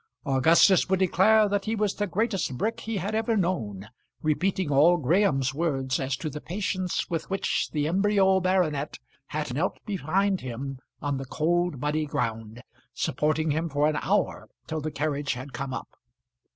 Augustus would declare that he was the greatest brick he had ever known, repeating all Graham's words as to the patience with which the embryo baronet had knelt behind him on the cold muddy ground, supporting him for an hour, till the carriage had come up.